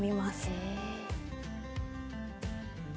へえ。